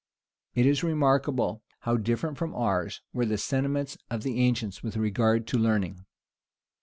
It is remarkable, how different from ours were the sentiments of the ancients with regard to learning.